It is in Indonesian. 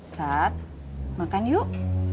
sat makan yuk